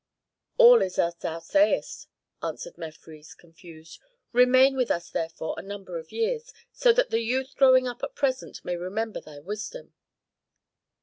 '" "All is as thou sayest," answered Mefres, confused. "Remain with us therefore a number of years, so that the youth growing up at present may remember thy wisdom."